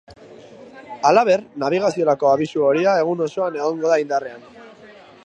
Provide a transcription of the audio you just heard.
Halaber, nabigaziorako abisu horia egun osoan egongo da indarrean.